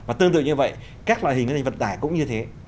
và tương tự như vậy các loại hình thành vật tải cũng như thế